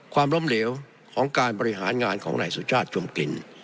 ความล้มเหลวของการบริหารงานของนายสุชาติจมกลิ่น